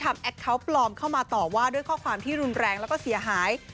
แอคเคาน์ปลอมเข้ามาต่อว่าด้วยข้อความที่รุนแรงแล้วก็เสียหาย